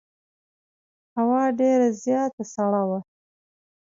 هوا ډېره زیاته سړه وه.